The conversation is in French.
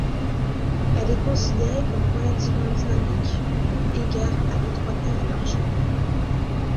Elle est considérée comme relativement dynamique eu égard à l'étroitesse du marché.